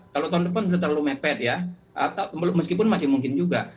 kalau tahun depan sudah terlalu mepet ya meskipun masih mungkin juga